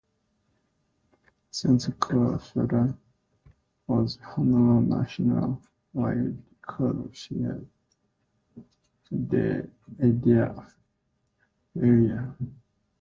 Since Cooley's father was honored nationwide, Cooley feared the idea of failure.